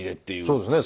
そうですね